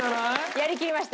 やりきりました。